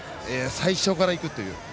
「最初からいく」と。